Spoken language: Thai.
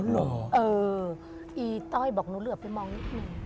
เหรอเอออีต้อยบอกหนูเหลือไปมองนิดนึง